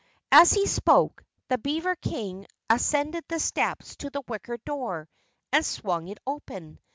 As he spoke the beaver King ascended the steps to the wicker door and swung it open.